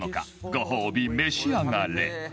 ご褒美召し上がれ